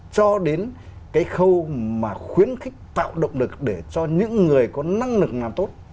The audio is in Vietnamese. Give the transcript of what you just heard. cho đến cái khâu mà khuyến khích tạo động lực để cho những người có năng lực làm tốt